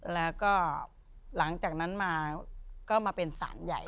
แล้วก็หลังจากนั้นมาก็มาเป็นสารใหญ่